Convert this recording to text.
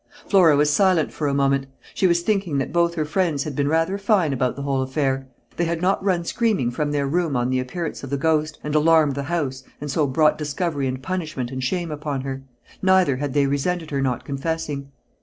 Flora was silent for a moment. She was thinking that both her friends had been rather fine about the whole affair. They had not run screaming from their room on the appearance of the "ghost," and alarmed the house, and so brought discovery and punishment and shame upon her; neither had they resented her not confessing.